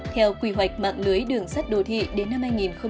theo quy hoạch mạng lưới đường sắt đô thị đến năm hai nghìn ba mươi